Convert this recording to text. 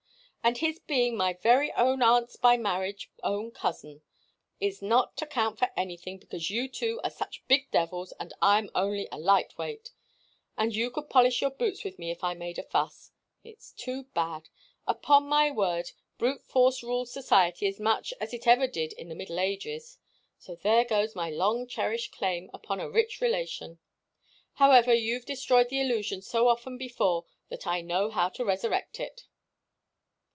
And his being my very own aunt by marriage's own cousin is not to count for anything, because you two are such big devils and I am only a light weight, and you could polish your boots with me if I made a fuss! It's too bad! Upon my word, brute force rules society as much as it ever did in the middle ages. So there goes my long cherished claim upon a rich relation. However, you've destroyed the illusion so often before that I know how to resurrect it."